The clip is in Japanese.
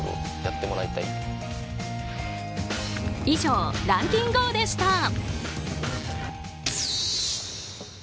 以上、ランキンＧＯ！でした。